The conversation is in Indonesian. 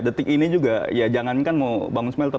detik ini juga ya jangankan mau bangun smelter